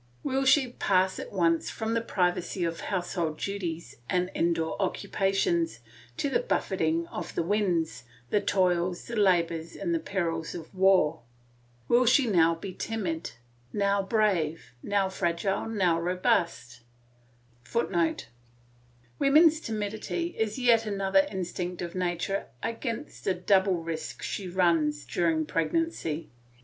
Will she pass at once from the privacy of household duties and indoor occupations to the buffeting of the winds, the toils, the labours, the perils of war? Will she be now timid, [Footnote: Women's timidity is yet another instinct of nature against the double risk she runs during pregnancy.